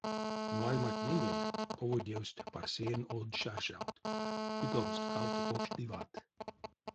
Вальматненень поводевтсь парсеень од шаршавт, путовтсь кавто покш дивант.